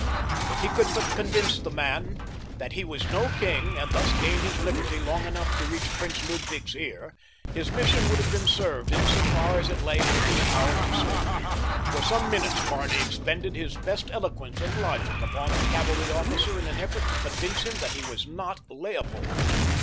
If he could but convince the man that he was no king and thus gain his liberty long enough to reach Prince Ludwig's ear, his mission would have been served in so far as it lay in his power to serve it. For some minutes Barney expended his best eloquence and logic upon the cavalry officer in an effort to convince him that he was not Leopold.